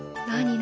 何？